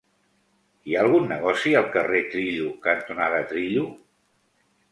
Hi ha algun negoci al carrer Trillo cantonada Trillo?